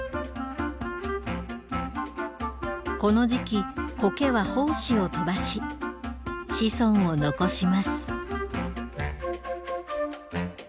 この時期コケは胞子を飛ばし子孫を残します。